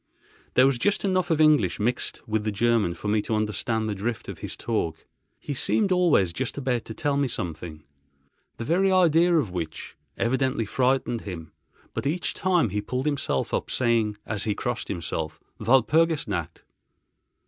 There was just enough of English mixed with the German for me to understand the drift of his talk. He seemed always just about to tell me something—the very idea of which evidently frightened him; but each time he pulled himself up, saying, as he crossed himself: "Walpurgis Nacht!"